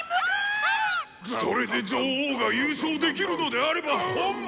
「それで女王が優勝できるのであれば本望！」。